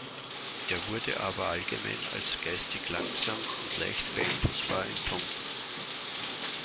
Er wurde aber allgemein als geistig langsam und leicht beeinflussbar empfunden.